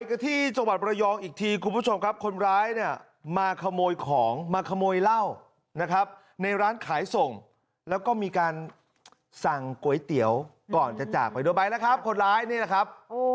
กันที่จังหวัดระยองอีกทีคุณผู้ชมครับคนร้ายเนี่ยมาขโมยของมาขโมยเหล้านะครับในร้านขายส่งแล้วก็มีการสั่งก๋วยเตี๋ยวก่อนจะจากไปโดยไปแล้วครับคนร้ายนี่แหละครับ